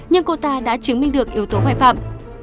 nhưng cô ta đã chứng minh được yếu tố hoài phạm